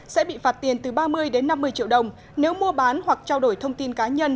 sẽ bị phạt tiền từ ba mươi đến năm mươi triệu đồng nếu mua bán hoặc trao đổi thông tin cá nhân